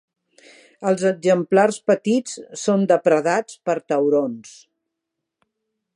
Els exemplars petits són depredats per taurons.